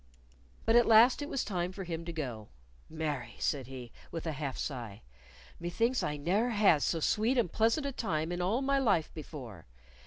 But at last it was time for him to go. "Marry," said he, with a half sigh, "methinks I did never ha' so sweet and pleasant a time in all my life before.